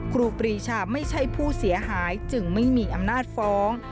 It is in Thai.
ครูปรีชาไม่ใช่ผู้เสียหายจึงไม่มีอำนาจฟ้อง